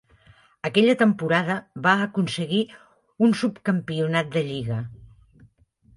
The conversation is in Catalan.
Aquella temporada va aconseguir un subcampionat de lliga.